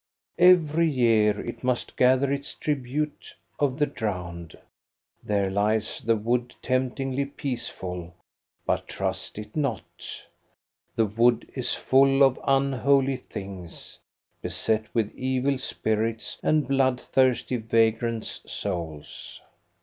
Every year it must gather its tribute of the drowned. There lies the wood temptingly peaceful ; but trust it \ 124 THE STORY OF GOSTA BE RUNG not ! The wood is full of unholy things, beset with evil spirits and bloodthirsty vagrants' souls.